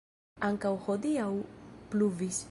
Ankaŭ hodiaŭ pluvis.